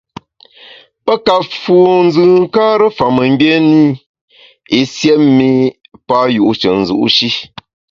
Pe ka fu nzùnkare fa mengbié ne i, i siét mi pa yu’she nzu’ shi.